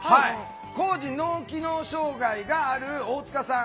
高次脳機能障害がある大塚さん。